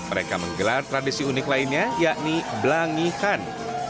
mereka menggelar tradisi unik lainnya yakni belang nyi han